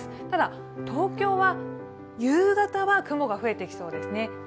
ただ、東京は夕方は雲が増えてきそうですね。